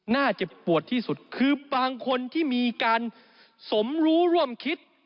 เจ็บปวดที่สุดคือบางคนที่มีการสมรู้ร่วมคิด